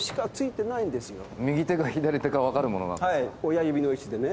親指の位置でね。